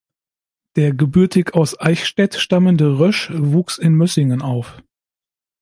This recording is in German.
Der gebürtig aus Eichstätt stammende Rösch wuchs in Mössingen auf.